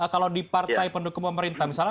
kalau di partai pendukung pemerintah misalnya